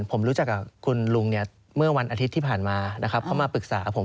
ผมรู้จักกับคุณลุงเนี่ยเมื่อวันอาทิตย์ที่ผ่านมานะครับเขามาปรึกษาผม